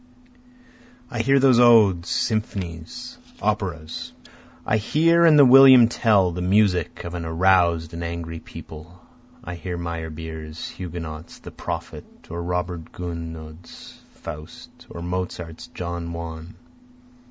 4 I hear those odes, symphonies, operas, I hear in the William Tell the music of an arous'd and angry people, I hear Meyerbeer's Huguenots, the Prophet, or Robert, Gounod's Faust, or Mozart's Don Juan.